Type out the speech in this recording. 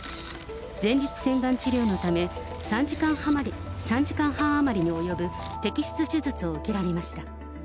前立腺がん治療のため、３時間半余りに及ぶ摘出手術を受けられました。